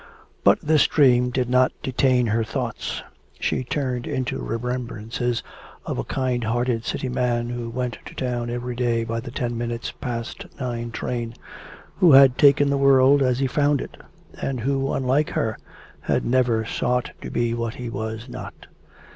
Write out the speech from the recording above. But this dream did not detain her thoughts. They turned into remembrances of a kind hearted city man who went to town every day by the ten minutes past nine train, who had taken the world as he found it, and who, unlike her, had never sought to be what he was not.